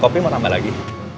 kopi mau tambah lagi